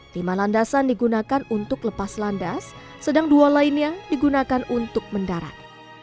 lima landasan digunakan untuk lepas landas sedang dua lainnya digunakan untuk mendarat